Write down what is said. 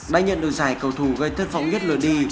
đã nhận được giải cầu thủ gây thất vọng nhất lừa đi